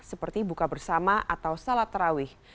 seperti buka bersama atau salat terawih